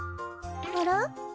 あら？